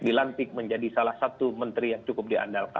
dilantik menjadi salah satu menteri yang cukup diandalkan